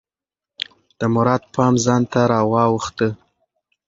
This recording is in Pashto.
د مراد پام ځان ته راواووخته.